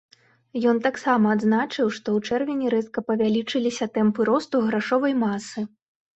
Ён таксама адзначыў, што ў чэрвені рэзка павялічыліся тэмпы росту грашовай масы.